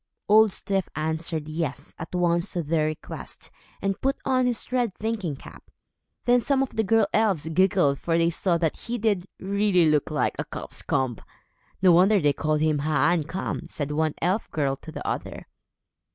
Old Styf answered "yes" at once to their request, and put on his red thinking cap. Then some of the girl elves giggled, for they saw that he did, really, look like a cock's comb. "No wonder they called him Haan e' kam," said one elf girl to the other.